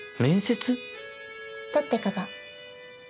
取ってかばん。